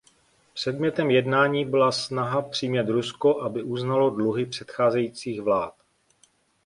Předmětem jednání byla snaha přimět Rusko aby uznalo dluhy předcházejících vlád.